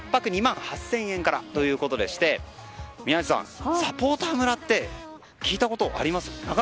１泊２万８０００円からで宮司さん、サポーター村って聞いたことあります？